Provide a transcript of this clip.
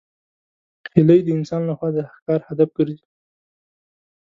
هیلۍ د انسان له خوا د ښکار هدف ګرځي